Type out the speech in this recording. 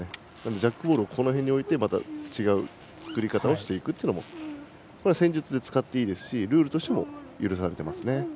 ジャックボールをこの辺に置いてまた違う作り方をしていくのも戦術で使っていいですしルールとしても許されています。